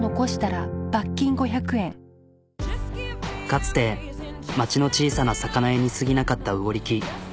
かつて町の小さな魚屋に過ぎなかった魚力。